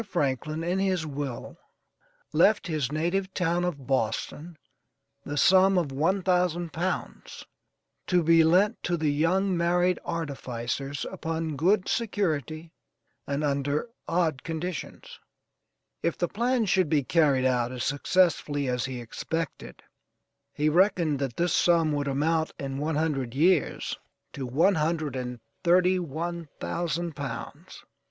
Franklin, in his will, left his native town of Boston, the sum of one thousand pounds, to be lent to the young married artificers upon good security and under odd conditions. If the plan should be carried out as successfully as he expected, he reckoned that this sum would amount in one hundred years to one hundred and thirty one thousand pounds.